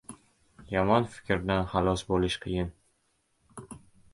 • Yomon fikrdan xalos bo‘lish qiyin.